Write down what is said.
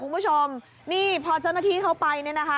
พอเจ้าหน้าที่เข้าไป